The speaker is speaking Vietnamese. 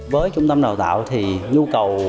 với trung tâm đào tạo thì nhu cầu